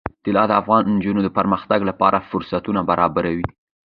طلا د افغان نجونو د پرمختګ لپاره فرصتونه برابروي.